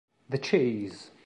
The Chase!